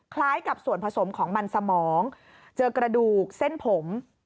คล้ายกับส่วนผสมของมันสมองเจอกระดูกเส้นผม